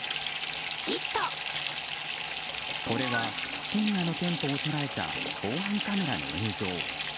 これは深夜の店舗を捉えた防犯カメラの映像。